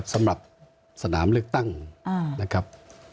สำหรับสนามเลือกตั้งนะครับ